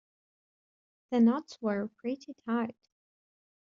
The knots were pretty tight.